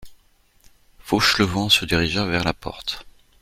Fauchelevent se dirigea vers la porte.